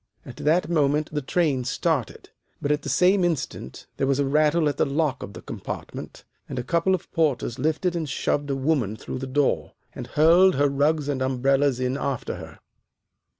"At that moment the train started, but at the same instant there was a rattle at the lock of the compartment, and a couple of porters lifted and shoved a woman through the door, and hurled her rugs and umbrellas in after her.